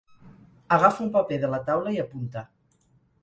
Agafa un paper de la taula i apunta.